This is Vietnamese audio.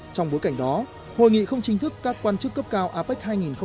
trong bối cảnh đó hội nghị không chính thức các quan chức cấp cao apec hai nghìn hai mươi